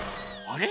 あれ？